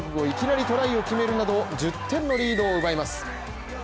いきなりトライを決めるなど１０点のリードを奪います。